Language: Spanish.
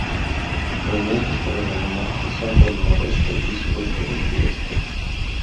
Los vientos predominantes son del noreste, sudeste y este.